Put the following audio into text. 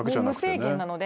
無制限なので。